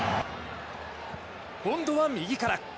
今度は右から。